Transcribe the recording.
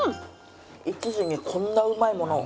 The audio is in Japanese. １時にこんなうまいものを。